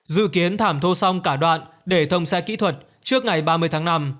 dự kiến thảm thu xong cả đoạn để thông xe kỹ thuật trước ngày ba mươi tháng năm